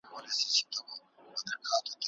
ماشومان د ټولنې راتلونکی جوړوي.